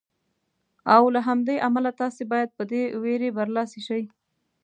او له همدې امله تاسې باید په دې وېرې برلاسي شئ.